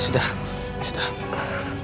masalah itu bisa dikendalikan